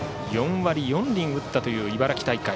４割４厘打ったという茨城大会。